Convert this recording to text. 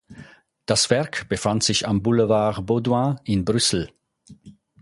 Das Werk befand sich am Boulevard Baudouin in Brüssel.